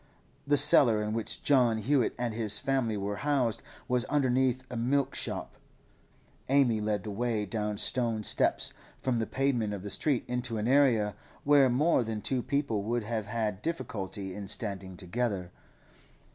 The cellar in which John Hewett and his family were housed was underneath a milk shop; Amy led the way down stone steps from the pavement of the street into an area, where more than two people would have had difficulty in standing together.